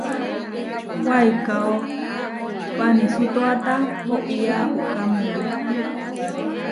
Waikáo panisútoata oʼía puʼká murí.